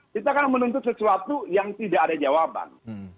kita kan menuntut sesuatu yang tidak ada jawaban